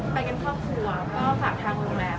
ไปกันครอบครัวก็ฝากทางโรงแรม